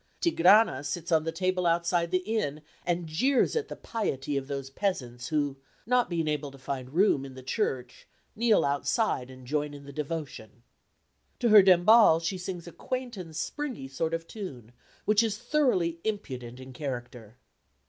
Tigrana sits on the table outside the inn and jeers at the piety of those peasants who, not being able to find room in the church, kneel outside and join in the devotion. To her dembal she sings a quaint and springy sort of tune which is thoroughly impudent in character.